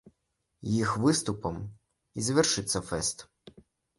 Іх выступам і завершыцца фэст.